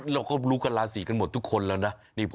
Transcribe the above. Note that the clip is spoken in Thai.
เราก็รู้กันราศีกันหมดทุกคนแล้วนะ